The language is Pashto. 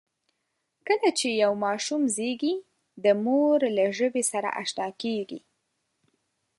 کله چې یو ماشوم زېږي، د مور له ژبې سره آشنا کېږي.